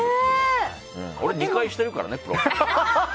俺、２回してるからね。